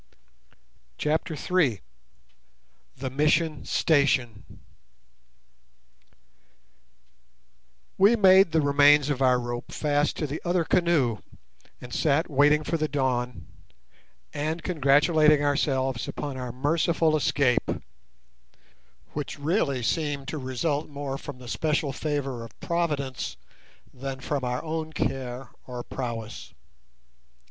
CHAPTER III. THE MISSION STATION We made the remains of our rope fast to the other canoe, and sat waiting for the dawn and congratulating ourselves upon our merciful escape, which really seemed to result more from the special favour of Providence than from our own care or prowess.